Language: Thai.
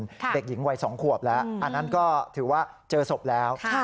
เด็กหญิงวัย๒ขวบแล้วอันนั้นก็ถือว่าเจอศพแล้ว